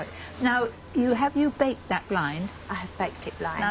はい。